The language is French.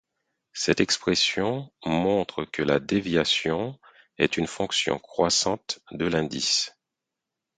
Cette expression montre que la déviation est une fonction croissante de l'indice.